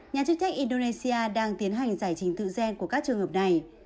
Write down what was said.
nhà chức trách indonesia đang tiến hành giải trình thự gian của các trường hợp này